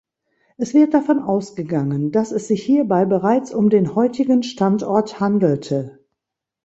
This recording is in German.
Es wird davon ausgegangen, dass es sich hierbei bereits um den heutigen Standort handelte.